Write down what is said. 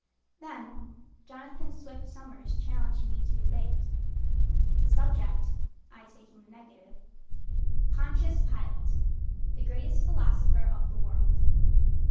Then Jonathan Swift Somers challenged me to debate The subject, (I taking the negative): "Pontius Pilate, the Greatest Philosopher of the World."